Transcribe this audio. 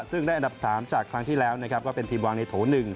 ซึ่งได้อันดับ๓จากครั้งที่แล้วก็เป็นทีมวางในโถ๑